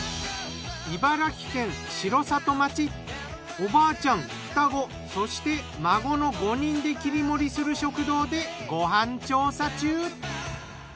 おばあちゃん双子そして孫の５人で切り盛りする食堂でご飯調査中。